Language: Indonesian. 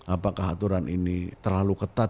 apakah aturan ini terlalu ketat